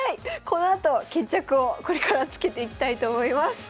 このあと決着をこれからつけていきたいと思います。